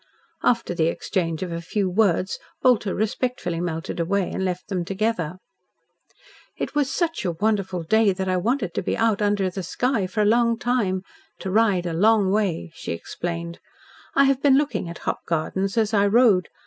After the exchange of a few words Bolter respectfully melted away and left them together. "It was such a wonderful day that I wanted to be out under the sky for a long time to ride a long way," she explained. "I have been looking at hop gardens as I rode.